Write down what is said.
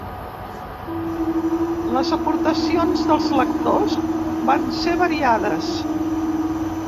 Les aportacions dels lectors van ser variades.